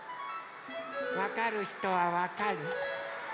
わかるひとはわかる？